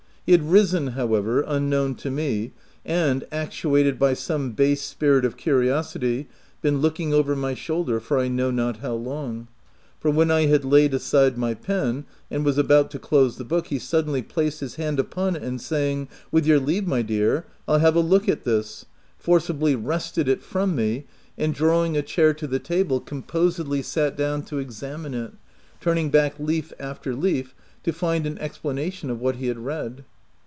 He had risen however, unknown to me, and, actuated by some base spirit of curiosity, been looking over my shoulder for I know not how long; for when I had laid aside my pen, and was about to close the book, he suddenly placed his hand upon it, and saying — "With your leave, my dear, I'll have a look at this/' forcibly wrested OF WILDFELL HALL. 59 it from me, and, drawing a chair to the table, composedly sat down to examine it — turning back leaf after leaf to find an explanation of what he had read.